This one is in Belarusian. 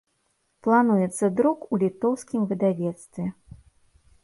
Плануецца друк у літоўскім выдавецтве.